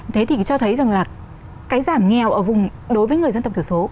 thế thì cho thấy rằng là cái giảm nghèo ở vùng đối với người dân tộc thiểu số